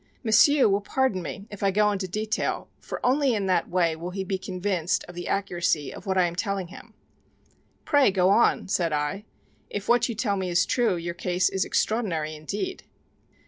"M'sieu' will pardon me if I go into detail for only in that way will he be convinced of the accuracy of what I am telling him." "Pray, go on," said I. "If what you tell me is true your case is extraordinary indeed."